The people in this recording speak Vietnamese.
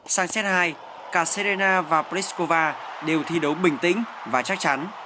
sang xét hai cả serena và pliskova đều thi đấu bình tĩnh và chắc chắn